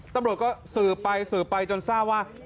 ตำรวจก็สืบไปสืบไปจนทราบว่า